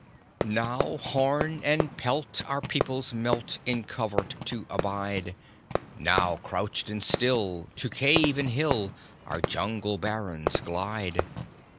_" Now horn and pelt our peoples melt In covert to abide; Now, crouched and still, to cave and hill Our Jungle Barons glide.